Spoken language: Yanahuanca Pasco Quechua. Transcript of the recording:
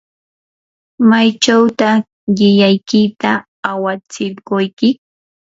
¿maychawtaq llikllaykita awatsirquyki?